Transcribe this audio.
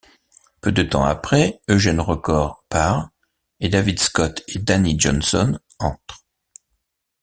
Peu de temps après, Eugène Record part, et David Scott et Danny Johnson entrent.